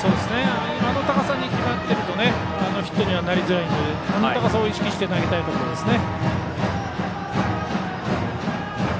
今の高さに決まっているとヒットにはなりづらいのであの高さを意識して投げたいところですね。